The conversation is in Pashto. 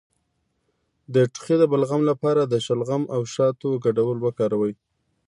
د ټوخي د بلغم لپاره د شلغم او شاتو ګډول وکاروئ